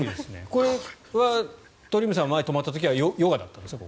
これは鳥海さん前に泊まった時はヨガだったんですか。